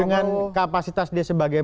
dengan kapasitas dia sebagai